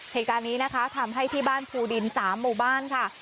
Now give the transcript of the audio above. เหตุการณ์นี้นะคะทำให้ที่บ้านภูดิน๓หมู่บ้านค่ะ